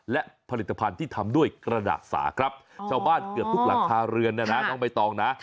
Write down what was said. และผลิตภัณฑ์ที่ทำด้วยกระดาษสาครับชาวบ้านเกือบทุกหลังคาเรือนนะนะน้องใบตองนะ